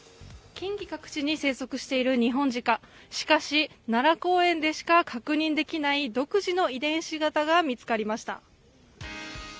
近畿各地に生息しているニホンジカ、しかし、奈良公園でしか確認できない独自の遺伝子型が見つかりました。